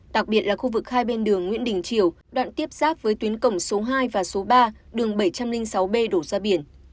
đặc biệt là khu vực hai bên đường nguyễn đình triều đoạn tiếp giáp với tuyến cổng số hai và số ba đường bảy trăm linh sáu b đổ ra biển